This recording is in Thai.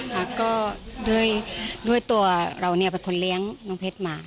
ค่ะก็ด้วยตัวเราเนี่ยเป็นคนเลี้ยงน้องเพชรมา